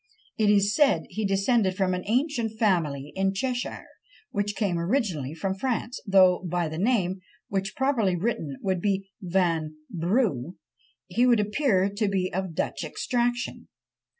It is said he descended from an ancient family in Cheshire, which came originally from France, though by the name, which properly written would be Van Brugh, he would appear to be of Dutch extraction.